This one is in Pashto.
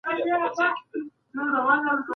که تحقیق وي نو علم نه زړیږي.